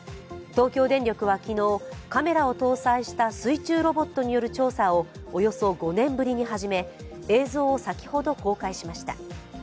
東京電力は昨日、カメラを搭載した水中ロボットによる調査をおよそ５年ぶりに始め、映像を先ほど公開しました。